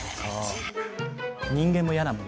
人間も嫌なもの。